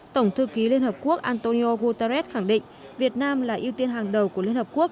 tổng thư ký liên hợp quốc antonio guterres khẳng định việt nam là ưu tiên hàng đầu của liên hợp quốc